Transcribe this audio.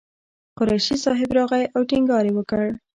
قریشي صاحب راغی او ټینګار یې وکړ.